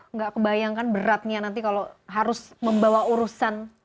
nggak kebayangkan beratnya nanti kalau harus membawa urusan